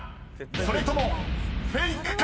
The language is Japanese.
［それともフェイクか？］